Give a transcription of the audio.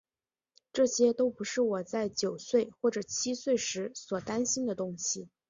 这些都不是我在九岁或七岁时所担心的东西。